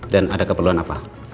dan ada keperluan apa